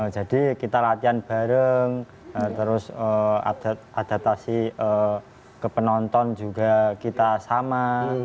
jadi kita latihan bareng terus adaptasi ke penonton juga kita sama